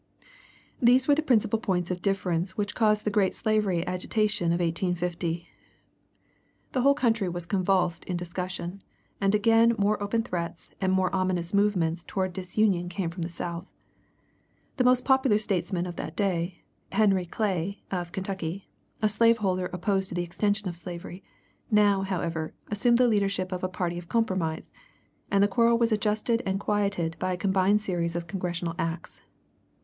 These were the principal points of difference which caused the great slavery agitation of 1850. The whole country was convulsed in discussion; and again more open threats and more ominous movements towards disunion came from the South. The most popular statesman of that day, Henry Clay, of Kentucky, a slaveholder opposed to the extension of slavery, now, however, assumed the leadership of a party of compromise, and the quarrel was adjusted and quieted by a combined series of Congressional acts.